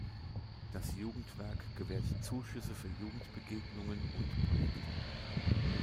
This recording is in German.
Das Jugendwerk gewährt Zuschüsse für Jugendbegegnungen und Projekte.